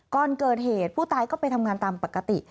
ก่อนเกิดเหตุผู้ตายก็ไปทำงานตามปกติ